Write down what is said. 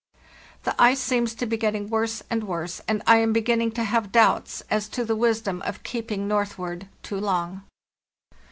"The ice seems to be getting worse and worse, and I am beginning to have doubts as to the wisdom of keep ing northward too long.